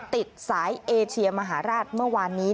ติดสายเอเชียมหาราชเมื่อวานนี้